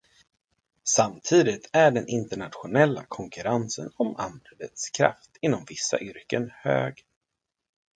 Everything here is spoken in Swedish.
Samtidigt är den internationella konkurrensen om arbetskraft inom vissa yrken hög.